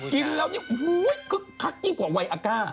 กินแล้วนี่คักนี่กว่าไวอากาศ